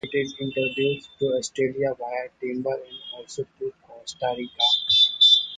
It is introduced to Australia via timber and also to Costa Rica.